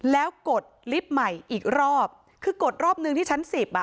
แล้วกดลิฟต์ใหม่อีกรอบคือกดรอบหนึ่งที่ชั้นสิบอ่ะ